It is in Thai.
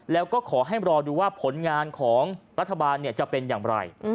แล้วก็ขอให้รอดูว่าผลงานของรัฐบาลจะเป็นอย่างไร